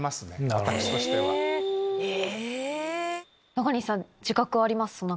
中西さん自覚あります？